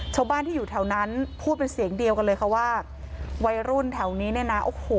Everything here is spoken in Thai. ชาวบ้านที่อยู่แถวนั้นพูดเป็นเสียงเดียวกันเลยค่ะว่าวัยรุ่นแถวนี้เนี่ยนะโอ้โห